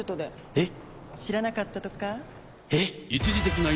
えっ！